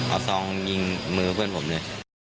เอาซองยิงมือเพื่อนผมเลย